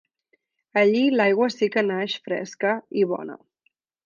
Allí l’aigua sí que naix fresca i bona!